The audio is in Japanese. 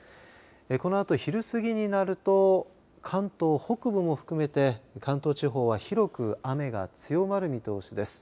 このあと昼過ぎになると関東北部も含めて関東地方は広く雨が強まる見通しです。